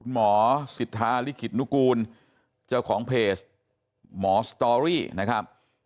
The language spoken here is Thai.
หมอสิทธาลิขิตนุกูลเจ้าของเพจหมอสตอรี่นะครับ